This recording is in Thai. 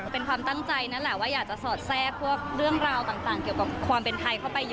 เป็นความตั้งใจนั่นแหละว่าอยากจะสอดแทรกพวกเรื่องราวต่างเกี่ยวกับความเป็นไทยเข้าไปเยอะ